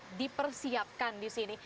nah di persiapkan di sini